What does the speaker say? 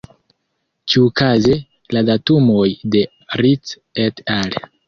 Ĉiukaze, la datumoj de Rice "et al.